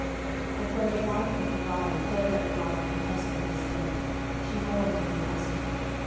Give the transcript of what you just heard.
10:011:026 And when the wife of Uriah heard that Uriah her husband was dead, she mourned for her husband.